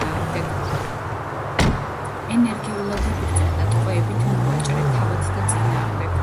ენერგიულად იბრძოდა ტყვეებით მოვაჭრე თავადთა წინააღმდეგ.